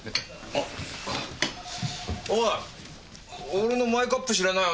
俺のマイカップ知らない？